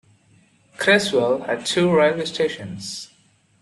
Creswell had two railway stations.